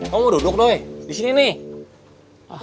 kamu duduk doi di sini nih